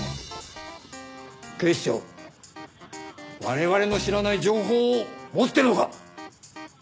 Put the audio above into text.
警視庁は我々の知らない情報を持ってるのか！？